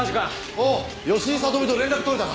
おお吉井聡美と連絡取れたか？